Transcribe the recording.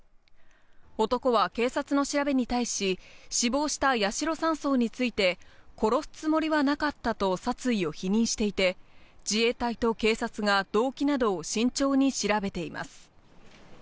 男は警察の調べに対し、死亡した八代３曹について、殺すつもりはなかったと殺意を否認していて、自衛隊と警察が動機などを慎重に調べています。